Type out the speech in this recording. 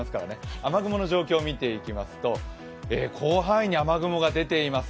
雨雲の状況見ていきますと広範囲に雨雲が出ています。